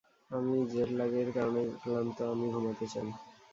আমি জেটলাগের কারণে ক্লান্ত, আমি ঘুমাতে চাই।